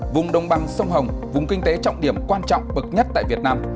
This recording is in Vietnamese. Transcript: vùng đông băng sông hồng vùng kinh tế trọng điểm quan trọng bậc nhất tại việt nam